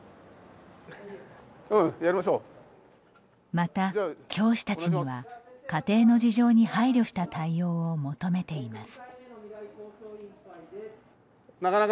また、教師たちには家庭の事情に配慮した対応を求めています。